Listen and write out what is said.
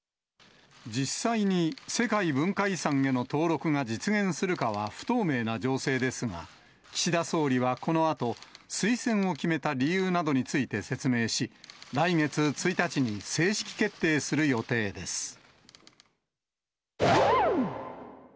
実際に世界文化遺産への登録が実現するかは不透明な情勢ですが、岸田総理はこのあと、推薦を決めた理由などについて説明し、来月１日に正式決定する予定です。